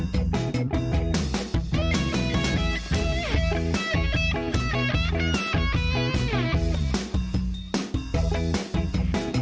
สวัสดีค่ะ